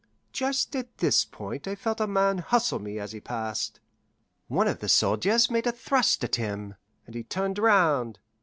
Just at this point I felt a man hustle me as he passed. One of the soldiers made a thrust at him, and he turned round.